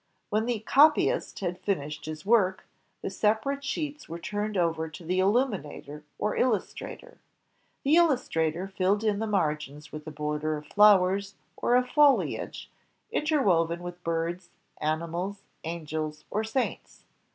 When the copyist had fijiished his work, the separate sheets were turned over to the illuminator or illustrator. The illustrator filled in the margins with a border of flowers JOHN GUTENBERG 189 or of foliage, interwoven with birds, animals, angels, or saints.